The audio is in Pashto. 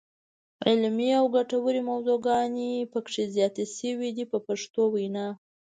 علمي او ګټورې موضوعګانې پکې زیاتې شوې دي په پښتو وینا.